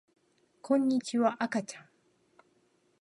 こんにちはあかちゃん